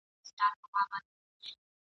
نن لا د مُغان ډکه پیاله یمه تشېږمه !.